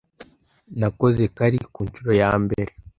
Nakoze curry kunshuro yambere.